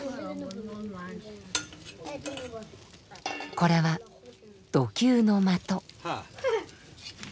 これは弩弓の的。